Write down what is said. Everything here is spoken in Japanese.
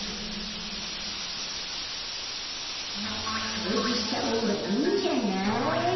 そうじしたほうがいいんじゃない？